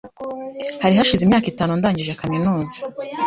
Hari hashize imyaka itanu ndangije kaminuza .